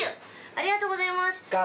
ありがとうございます！